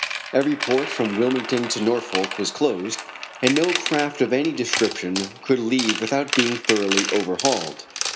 Every port from Wilmington to Norfolk was closed, and no craft of any description could leave without being thoroughly overhauled.